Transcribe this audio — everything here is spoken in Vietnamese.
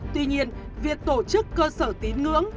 tuy nhiên việc tổ chức cơ sở tín ngưỡng